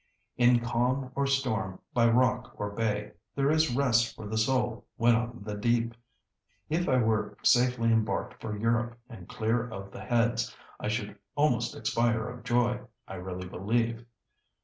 'In calm or storm, by rock or bay,' there is rest for the soul when on the deep. If I were safely embarked for Europe and clear of the Heads, I should almost expire of joy, I really believe."